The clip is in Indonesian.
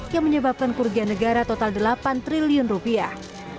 yang menyebabkan kurganegara total delapan triliun rupiah